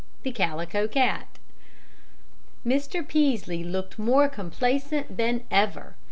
] THE CALICO CAT I Mr. Peaslee looked more complacent than ever.